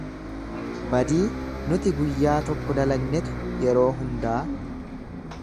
"Badii nuti guyyaa tokko dalagnetu yeroo hundaa